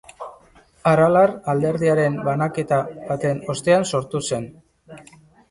Aralar alderdiaren banaketa baten ostean sortu zen.